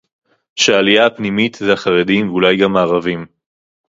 שהעלייה הפנימית זה החרדים ואולי גם הערבים